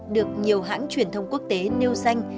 được nhiều hãng truyền thông quốc tế nêu danh